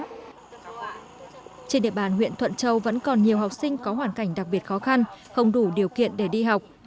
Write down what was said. trên địa bàn huyện thuận châu vẫn còn nhiều học sinh có hoàn cảnh đặc biệt khó khăn không đủ điều kiện để đi học